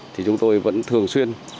thì chúng tôi vẫn thường xuyên